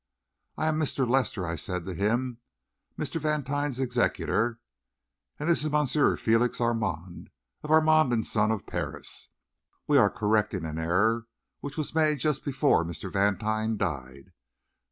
"I am Mr. Lester," I said to him, "Mr. Vantine's executor; and this is M. Félix Armand, of Armand & Son, of Paris. We are correcting an error which was made just before Mr. Vantine died.